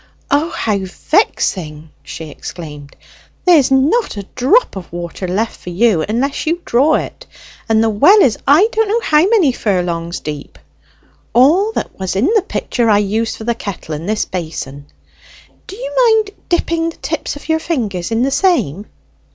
"O, how vexing!" she exclaimed. "There's not a drop of water left for you, unless you draw it, and the well is I don't know how many furlongs deep; all that was in the pitcher I used for the kettle and this basin. Do you mind dipping the tips of your fingers in the same?"